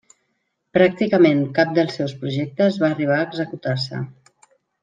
Pràcticament cap dels seus projectes va arribar a executar-se.